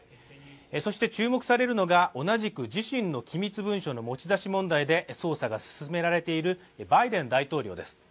そして注目されるのが、同じく自身の機密文書の持ち出し問題で捜査が進められているバイデン大統領です。